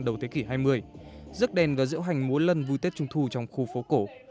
đầu thế kỷ hai mươi rước đèn và diễu hành múa lân vui tết trung thu trong khu phố cổ